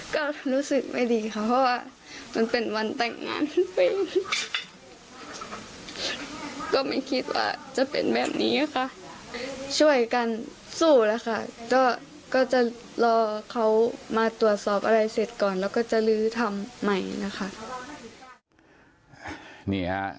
ก็รู้สึกไม่ดีค่ะเพราะว่ามันเป็นวันแต่งงานก็ไม่คิดว่าจะเป็นแบบนี้ค่ะช่วยกันสู้แล้วค่ะก็จะรอเขามาตรวจสอบอะไรเสร็จก่อนแล้วก็จะลื้อทำใหม่นะคะ